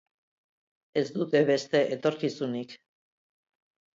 Ez dute beste etorkizunik.